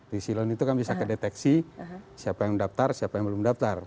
di silon itu kami bisa kedeteksi siapa yang mendaftar siapa yang belum daftar